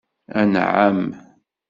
Anεam.